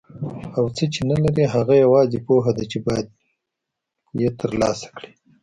او څه چې نه لري هغه یوازې پوهه ده چې باید یې ترلاسه کړي.